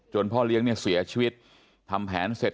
พ่อเลี้ยงเนี่ยเสียชีวิตทำแผนเสร็จ